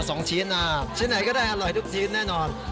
โอเคดี